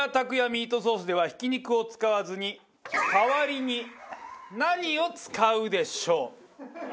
ミートソースではひき肉を使わずに代わりに何を使うでしょう？